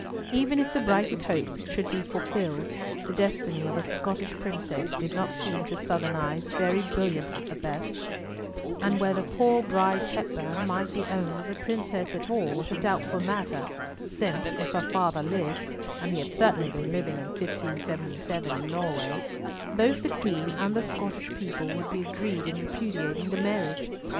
Even if the brightest hopes should be fulfilled; the destiny of a Scottish princess did not seem to Southern eyes very brilliant at the best, and whether poor Bride Hepburn might be owned as a princess at all was a doubtful matter, since, if her father lived (and he had certainly been living in 1577 in Norway), both the Queen and the Scottish people would be agreed in repudiating the marriage.